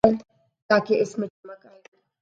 تاکہ اس میں چمک آئے۔